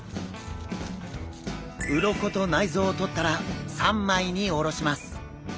鱗と内臓を取ったら三枚におろします。